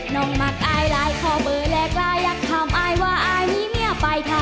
น้องมักอายลายขอเบอร์แลกลายอยากถามอายว่าอายมีเมียไปค่ะ